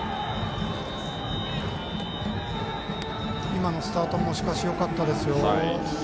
今のスタートもよかったですよ。